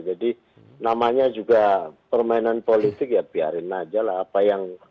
jadi namanya juga permainan politik ya biarin aja lah apa yang